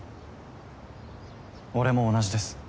俺も同じです。